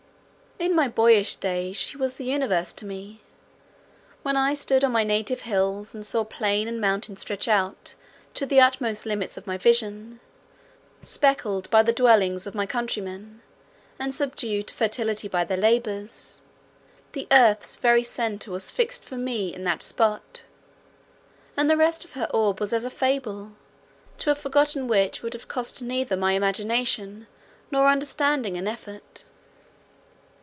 In my boyish days she was the universe to me. When I stood on my native hills, and saw plain and mountain stretch out to the utmost limits of my vision, speckled by the dwellings of my countrymen, and subdued to fertility by their labours, the earth's very centre was fixed for me in that spot, and the rest of her orb was as a fable, to have forgotten which would have cost neither my imagination nor understanding an effort.